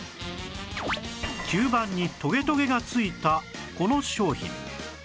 吸盤にトゲトゲが付いたこの商品